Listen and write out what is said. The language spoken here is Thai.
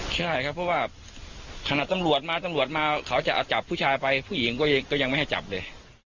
ใช่ครับเพราะว่าขนาดตำรวจมาตำรวจมาเขาจะเอาจับผู้ชายไปผู้หญิงก็ยังไม่ให้จับเลย